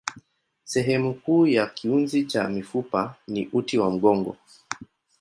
Sehemu kuu ya kiunzi cha mifupa ni uti wa mgongo.